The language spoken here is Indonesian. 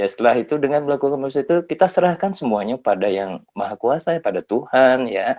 setelah itu dengan melakukan proses itu kita serahkan semuanya pada yang maha kuasa pada tuhan